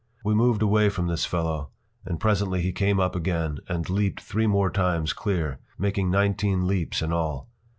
We moved away from this fellow, and presently he came up again, and leaped three more times clear, making nineteen leaps in all.